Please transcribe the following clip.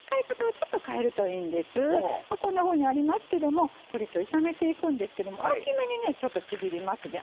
こんなふうにありますけどもこれきょう炒めていくんですけども大きめにねちょっとちぎりますね。